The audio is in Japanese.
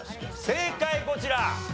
正解こちら！